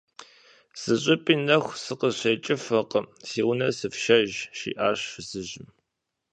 - Зыщӏыпӏи нэху сыкъыщекӏыфыркъым, си унэ сыфшэж, – жиӏащ фызыжьым.